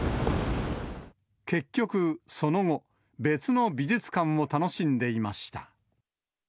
結局、その後、別の美術館を楽しんでいました。